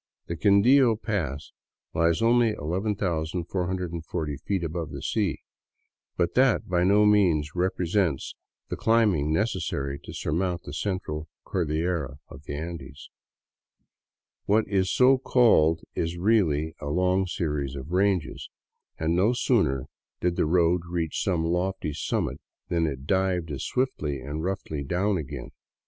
The Quindio pass lies only 11,440 feet above the sea, but that by no means represents the climb ing necessary to surmount the Central Cordillera of the Andes. What is so called is really a long series of ranges, and no sooner did the road reach some lofty summit than it dived as swiftly and roughly down again.